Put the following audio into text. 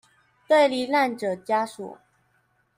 對罹難者家屬